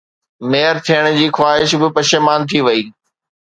mayor ٿيڻ جي خواهش به پشيمان ٿي وئي